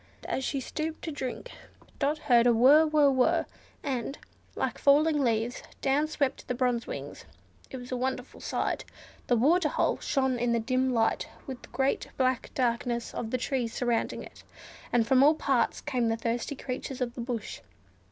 As she stooped to drink, Dot heard a "whrr, whrr, whrr," and, like falling leaves, down swept the Bronze Wings. It was a wonderful sight. The water hole shone in the dim light, with the great black darkness of the trees surrounding it, and from all parts came the thirsty creatures of the bush.